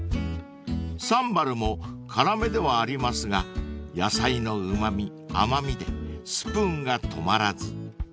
［サンバルも辛めではありますが野菜のうま味甘味でスプーンが止まらず］